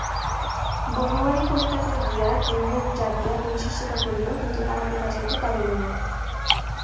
বনোয়ারি কলিকাতায় গিয়া দিনরাত জাগিয়া বংশীর সেবা করিল, কিন্তু তাহাকে বাঁচাইতে পারিল না।